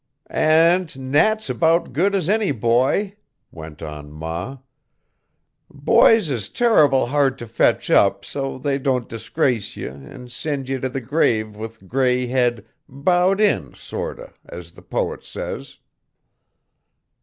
"And Nat's about's good as any boy," went on ma. "Boys is turr'ble hard to fetch up so they don't disgrace ye and send ye to the grave with gray head bowed in sorter, as the poet says.